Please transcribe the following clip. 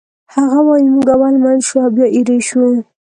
هغه وایی موږ اول مین شو او بیا ایرې شو